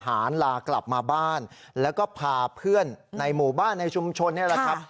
หารลากลับมาบ้านแล้วก็พาเพื่อนในหมู่บ้านในชุมชนนี่แหละครับ